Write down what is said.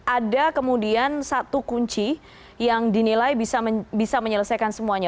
ada kemudian satu kunci yang dinilai bisa menyelesaikan semuanya